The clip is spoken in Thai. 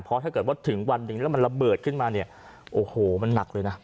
เพราะถ้าเกิดว่าถึงวันหนึ่งแล้วมันระเบิดขึ้นมาเนี่ยโอ้โหมันหนักเลยนะ